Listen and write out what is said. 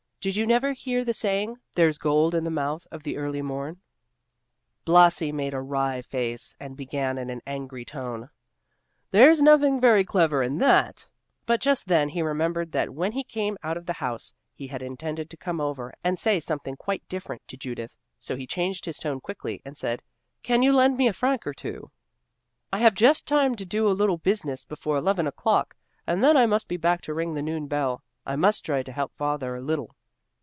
"Did you never hear the saying, 'There's gold in the mouth of the early morn.'" Blasi made a wry face and began in an angry tone, "There's nothing very clever in that" but just then he remembered that when he came out of the house he had intended to come over and say something quite different to Judith; so he changed his tone quickly, and said, "Can you lend me a franc or two; I have just time to do a little business before eleven o'clock, and then I must be back to ring the noon bell; I must try to help father, a little."